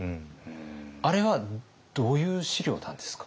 あれはどういう史料なんですか？